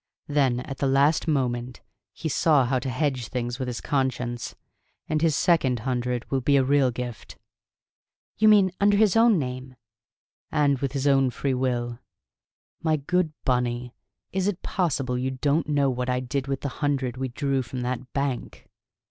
Then, at the last moment, he saw how to hedge things with his conscience. And his second hundred will be a real gift." "You mean under his own name " "And with his own free will. My good Bunny, is it possible you don't know what I did with the hundred we drew from that bank!"